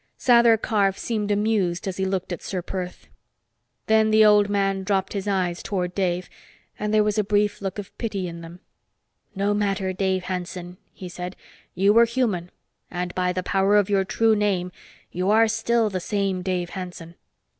Sather Karf seemed amused as he looked at Ser Perth. Then the old man dropped his eyes toward Dave, and there was a brief look of pity in them. "No matter, Dave Hanson," he said. "You were human, and by the power of your true name, you are still the same Dave Hanson.